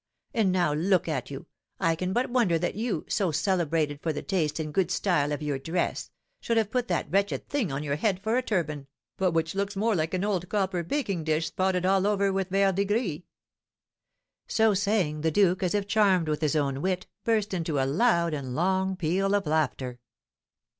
And, now I look at you, I can but wonder that you, so celebrated for the taste and good style of your dress, should have put that wretched thing on your head for a turban, but which looks more like an old copper baking dish spotted all over with verdigris." So saying, the duke, as if charmed with his own wit, burst into a loud and long peal of laughter.